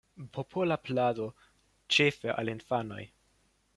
Popola plado, ĉefe al infanoj.